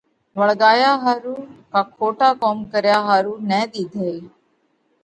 وۯڳايا ۿارُو ڪا کوٽا ڪوم ڪريا ۿارُو نه ۮِيڌئِي۔